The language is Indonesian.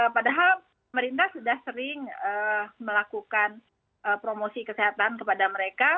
padahal pemerintah sudah sering melakukan promosi kesehatan kepada mereka